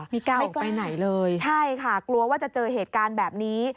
ไม่ไปไหนเลยใช่ค่ะกลัวว่าจะเจอเหตุการณ์แบบนี้